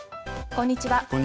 こんにちは。